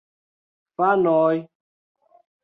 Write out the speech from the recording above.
Fanoj!